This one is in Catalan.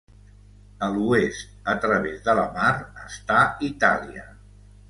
A l'oest, a través de la mar, està Itàlia.